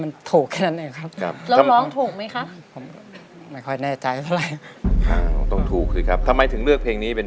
เพราะมาในนี้ใจพี่เสื่อมโสม